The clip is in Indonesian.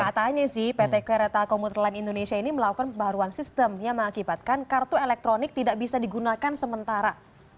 nyatanya sih pt kereta komuter lain indonesia ini melakukan pembaruan sistem yang mengakibatkan kartu elektronik tidak bisa digunakan sementara